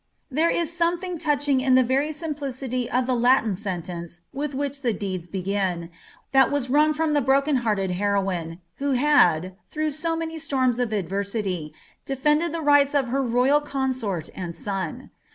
There is something touching in the very simplicity of the Ijiiin sen tence with which the deed begins, that was wrung from the broken Itnned heroine, who hail, through so many storms of adversity, defended Ihs rights of her royal consort and son.